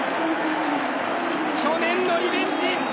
去年のリベンジ。